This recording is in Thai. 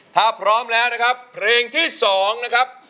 ถ้าพร้อมแล้วนะครับเพลงที่๒นะครับ